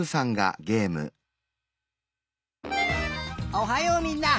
おはようみんな。